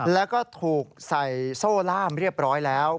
แล้วก็ถูกใส่โซ่ล่ามเรียบร้อยแล้ว